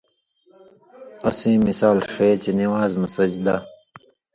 اسیں مِثال ݜے چے نِوان٘ز مہ سجدہ۔